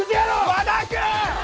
和田君！